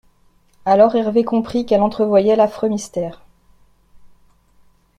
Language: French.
Alors Hervé comprit qu’elle entrevoyait l’affreux mystère.